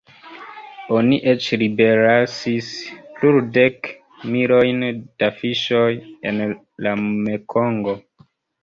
Oni eĉ liberlasis plurdekmilojn da fiŝoj en la Mekongo.